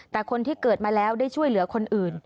แต่คนที่เกิดมาแล้วได้ช่วยเหลือคนอื่น